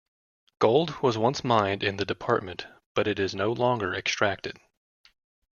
Gold was once mined in the department but it is no longer extracted.